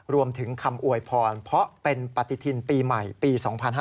รวมถึงคำอวยพรเพราะเป็นปฏิทินปีใหม่ปี๒๕๕๙